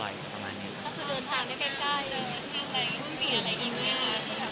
แล้วคุณเดินทางได้ใกล้เดินหรืออะไรอีกไงครับ